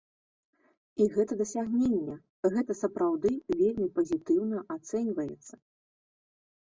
І гэта дасягненне, гэта сапраўды вельмі пазітыўна ацэньваецца.